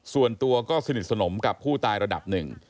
ส่วนตัวก็สนิทสนมกับผู้ตายระดับหนึ่ง